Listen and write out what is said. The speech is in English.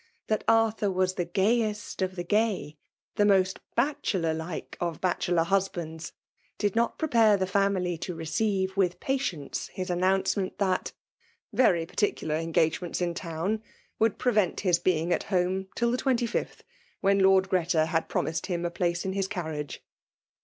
that Arthur was the gayest of the gay, the Inost bachelor like of bachelor husbands, did not prepare the family to receive with patience his announcement that, yery particular en* gagements in town would prevent his being ait home till the 25th, when Lord Greta had pro^ mised him a place in his carriage."